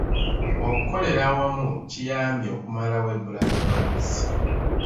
Okukolera awamu kiyambye okumalawo ebbula ly'abakozi.